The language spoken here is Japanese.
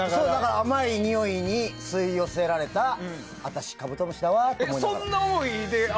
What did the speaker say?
甘いにおいに吸い寄せられた私、カブトムシだわって。